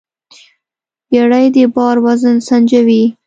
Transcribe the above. بیړۍ د بار وزن سنجوي.